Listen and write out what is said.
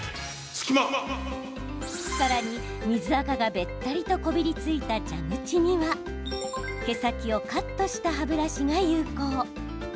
さらに、水あかがべったりとこびりついた蛇口には毛先をカットした歯ブラシが有効。